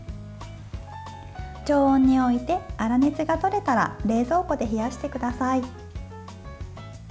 常温に置いて粗熱が取れたら冷蔵庫で冷やしてください。